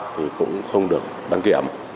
thì cũng không được đăng kiểm